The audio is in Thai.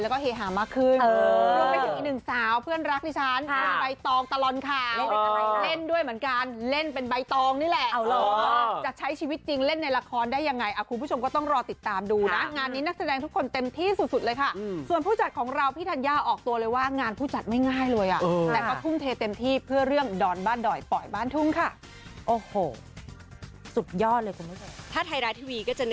ก็อยากจะขอโทษคุณหนิงเหมือนกัน